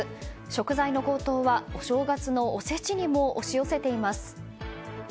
食材の高騰はお正月のおせちにも押し寄せています。